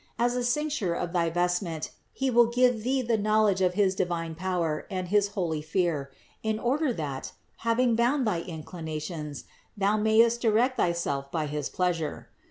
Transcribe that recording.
As a cincture of thy vestment He will give thee the knowledge of his divine power and his holy fear, in order that, hav ing bound thy inclinations, thou mayest direct thyself by his pleasure.